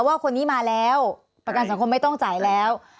ว่าคนนี้มาแล้วประกันสังคมไม่ต้องจ่ายแล้ว